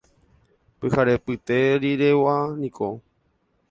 Pyharepyte riregua niko.